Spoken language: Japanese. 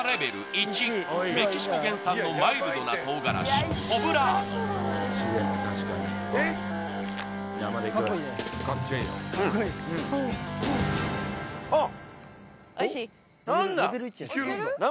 １メキシコ原産のマイルドな唐辛子あっ！